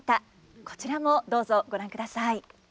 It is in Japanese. こちらもどうぞご覧ください。